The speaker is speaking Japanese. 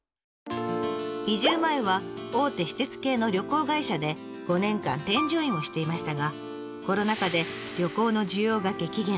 移住前は大手私鉄系の旅行会社で５年間添乗員をしていましたがコロナ禍で旅行の需要が激減。